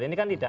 ini kan tidak